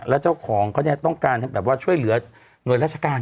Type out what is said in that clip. แล้วเจ้าของเขาต้องการช่วยเหลือหน่วยราชการ